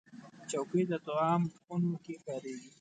چوکۍ د طعام خونو کې کارېږي.